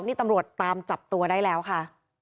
นี่ตำรวจตามจับตัวได้แล้วค่ะ